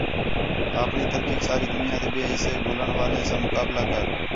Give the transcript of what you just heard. اَپݨی ترقیک ساری دُنیا تے ٻئے حِصّہ گھولݨ والیں ساں مقابلہ کر۔